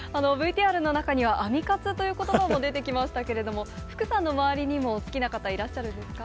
ＶＴＲの中にはアミ活ということばが出てきましたけれども、福さんの周りにも好きな方、いらっしゃるんですか？